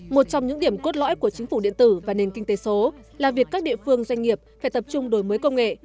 một trong những điểm cốt lõi của chính phủ điện tử và nền kinh tế số là việc các địa phương doanh nghiệp phải tập trung đổi mới công nghệ